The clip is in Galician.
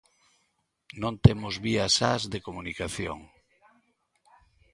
Non temos vías sas de comunicación.